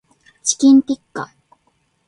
チキンティッカ